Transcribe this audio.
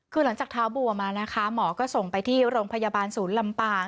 คือหลังจากเท้าบัวมานะคะหมอก็ส่งไปที่โรงพยาบาลศูนย์ลำปาง